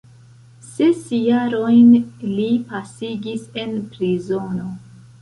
Ses jarojn li pasigis en prizono.